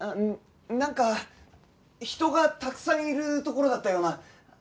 なんか人がたくさんいる所だったような。